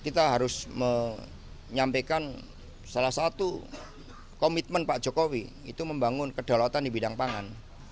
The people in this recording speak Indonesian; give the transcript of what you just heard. kita harus menyampaikan salah satu komitmen pak jokowi itu membangun kedaulatan di bidang pangan